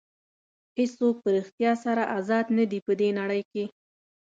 هېڅوک په ریښتیا سره ازاد نه دي په دې نړۍ کې.